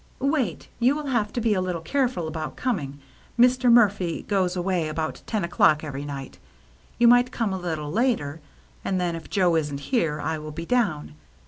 " Wait, you will have to be a little careful about coming. Mr. Murphy goes away about ten o'clock every night. You might come a little later, and then if Joe isn't here, I will be down.